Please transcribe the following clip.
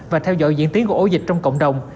và theo dõi diễn tiến của ổ dịch trong cộng đồng